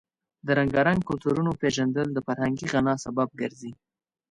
د رنګارنګ کلتورونو پیژندل د فرهنګي غنا سبب ګرځي.